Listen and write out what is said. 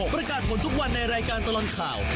ประกาศผลทุกวันในรายการตลอดข่าว